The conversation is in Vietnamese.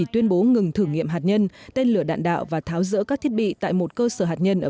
tuyên bố ngừng thử nghiệm hạt nhân tên lửa đạn đạo và tháo rỡ các thiết bị tại một cơ sở hạt nhân ở